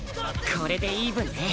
これでイーブンね。